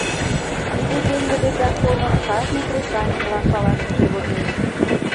Тиде пеҥгыде законым кажне кресаньыклан палашыже возеш.